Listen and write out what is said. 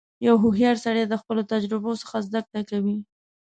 • یو هوښیار سړی د خپلو تجربو څخه زدهکړه کوي.